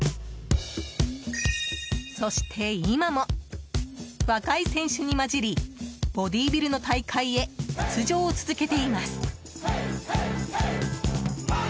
そして今も、若い選手に交じりボディービルの大会へ出場を続けています。